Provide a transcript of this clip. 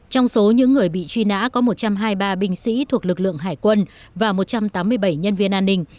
trong số những người bị truy nã có một trăm hai mươi ba binh sĩ thuộc lực lượng hải quân và một trăm tám mươi bảy nhân viên an ninh